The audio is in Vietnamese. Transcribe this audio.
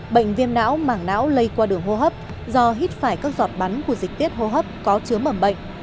bệnh viêm não mảng não lây qua đường hô hấp do hít phải các giọt bắn của dịch tiết hô hấp có chứa mầm bệnh